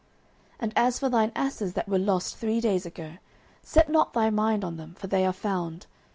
09:009:020 And as for thine asses that were lost three days ago, set not thy mind on them; for they are found.